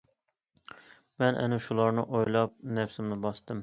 مەن ئەنە شۇلارنى ئويلاپ، نەپسىمنى باستىم.